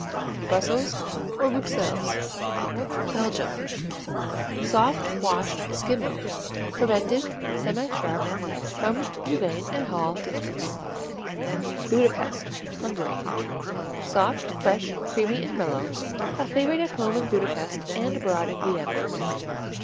Brussels or Bruxelles Belgium Soft, washed skim milk, fermented, semisharp, from Louvain and Hal districts. Budapest Hungary Soft, fresh, creamy and mellow, a favorite at home in Budapest and abroad in Vienna.